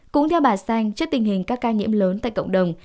cũng theo bà xanh trước tình hình các ca nhiễm lớn tại cộng đồng